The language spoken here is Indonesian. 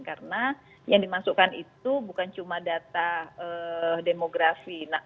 karena yang dimasukkan itu bukan cuma data demografi